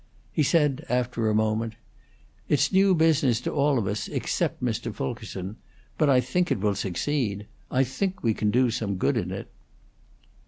He said, after a moment: "It's new business to all of us except Mr. Fulkerson. But I think it will succeed. I think we can do some good in it."